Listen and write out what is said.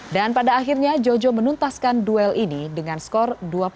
dan pada akhirnya jojo menuntaskan duel ini dengan skor dua puluh satu lima belas